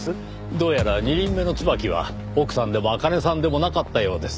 どうやら２輪目の椿は奥さんでもアカネさんでもなかったようです。